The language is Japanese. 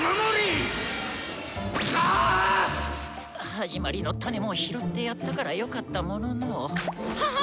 「始まりのタネ」も拾ってやったからよかったものの。ははー！